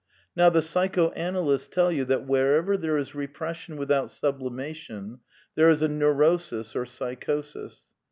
!N'ow the psychoanalysts tell you that wherever there is repression without sublimation there is a neurosis or psychosis.